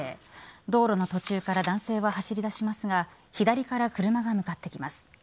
道路の途中から男性は走りだしますが左から車が向かってきます。